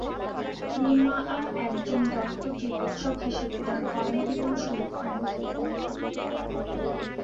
রিমা একজন দত্ত চিকিৎসক হিসেবে তার কর্মজীবন শুরু করেন।